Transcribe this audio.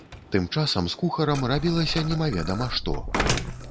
Тым часам з кухарам рабілася немаведама што.